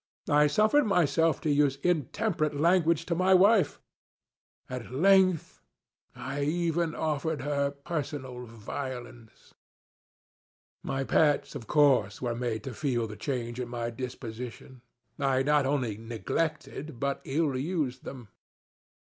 I suffered myself to use intemperate language to my wife. At length, I even offered her personal violence. My pets, of course, were made to feel the change in my disposition. I not only neglected, but ill used them.